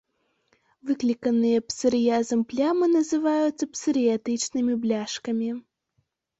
Выкліканыя псарыязам плямы называюцца псарыятычнымі бляшкамі.